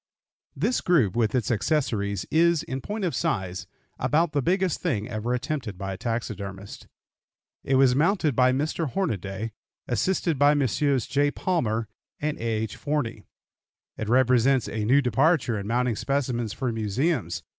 This group, with its accessories, is, in point of size, about the biggest thing ever attempted by a taxidermist. It was mounted by Mr. Hornaday, assisted by Messrs. J. Palmer and A. H. Forney. It represents a new departure in mounting specimens for museums.